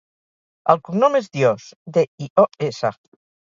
El cognom és Dios: de, i, o, essa.